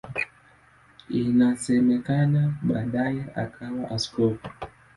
Inasemekana baadaye akawa askofu.